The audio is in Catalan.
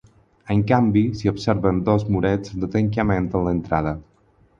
En canvi, s'hi observen dos murets de tancament a l’entrada.